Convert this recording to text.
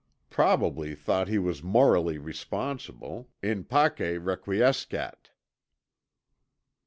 Probably thought he was morally responsible. 'In pace requiescat.'"